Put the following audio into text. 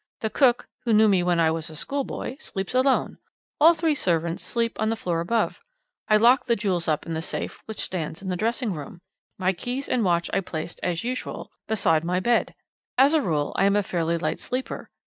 The cook, who knew me when I was a schoolboy, sleeps alone; all three servants sleep on the floor above. I locked the jewels up in the safe which stands in the dressing room. My keys and watch I placed, as usual, beside my bed. As a rule, I am a fairly light sleeper.